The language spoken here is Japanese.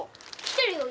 来てるよ